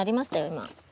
今。